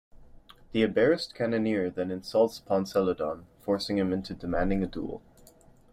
The embarrassed cannoneer then insults Ponceludon, forcing him into demanding a duel.